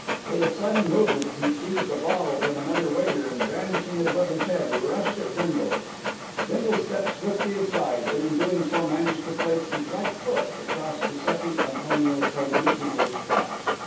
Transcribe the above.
With a sudden movement he seized a bottle from another waiter and, brandishing it above his head, rushed at Bindle. Bindle stepped swiftly aside; but in doing so managed to place his right foot across Giuseppi Antonio Tolmenicino's path.